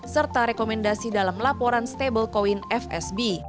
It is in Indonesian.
serta rekomendasi dalam laporan stablecoin fsb